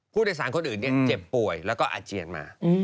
ผู้โดยสารคนอื่นเจ็บป่วยแล้วก็อาเจียนมา